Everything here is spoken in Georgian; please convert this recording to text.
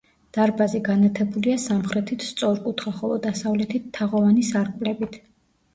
დარბაზი განათებულია სამხრეთით სწორკუთხა, ხოლო დასავლეთით თაღოვანი სარკმლებით.